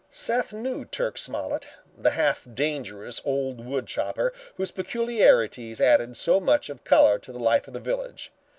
Seth knew Turk Smollet, the half dangerous old wood chopper whose peculiarities added so much of color to the life of the village.